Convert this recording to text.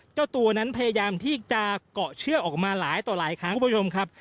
เจ้าตัวนั้นพยายามที่จะเกาะเชือกออกมาหลายต่อหลายครั้งคุณผู้ชมครับ